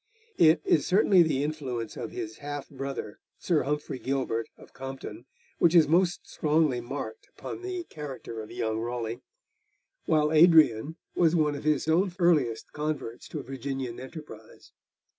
It, is certainly the influence of his half brother Sir Humphrey Gilbert, of Compton, which is most strongly marked upon the character of young Raleigh; while Adrian was one of his own earliest converts to Virginian enterprise.